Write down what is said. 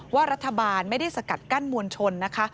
ว่ารัฐบาลไม่ได้สกัดกั้นมวลชนนะคะ